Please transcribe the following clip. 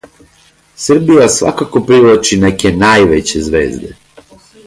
Србија свакако привлачи неке највеће звезде.